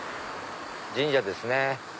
神社ですね。